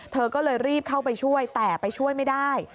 เธอก็เลยรีบเข้าไปช่วยแต่ไปช่วยไม่ได้